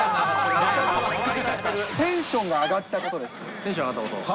テンション上がったこと？